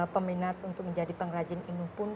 peminat untuk menjadi pengrajin inu pun